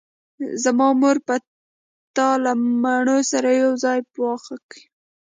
زما مور به تا له مڼو سره یوځای پاخه کړي